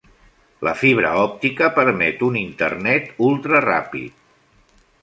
La fibra òptica permet un Internet ultraràpid.